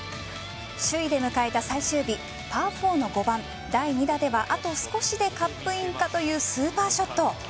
首位で迎えた最終日パー４の５番第２打ではあと少しでカップインかというスーパーショット。